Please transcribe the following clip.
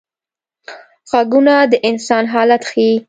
غږونه د انسان حالت ښيي